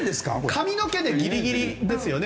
髪の毛でギリギリですよね。